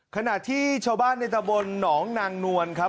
ขณะที่ชาวบ้านในตะบนหนองนางนวลครับ